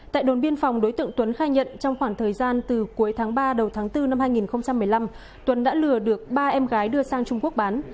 tại đồn biên phòng đối tượng tuấn khai nhận trong khoảng thời gian từ cuối tháng ba đầu tháng bốn năm hai nghìn một mươi năm tuấn đã lừa được ba em gái đưa sang trung quốc bán